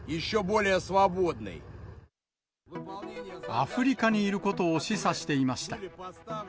アフリカにいることを示唆していました。